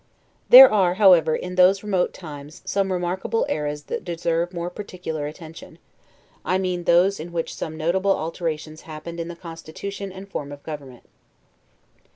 There are, however, in those remote times, some remarkable eras that deserve more particular attention; I mean those in which some notable alterations happened in the constitution and form of government.